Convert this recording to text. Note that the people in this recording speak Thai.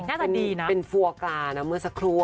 หน้าตาดีนะเป็นฟัวกรานะเมื่อสักครั้ว